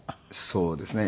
そうですね。